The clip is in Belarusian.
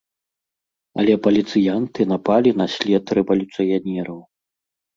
Але паліцыянты напалі на след рэвалюцыянераў.